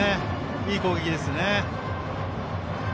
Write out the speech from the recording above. いい攻撃ですよね。